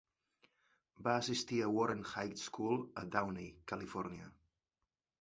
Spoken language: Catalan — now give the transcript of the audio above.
Va assistir a Warren High School a Downey, Califòrnia.